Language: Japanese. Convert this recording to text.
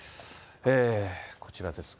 こちらですが。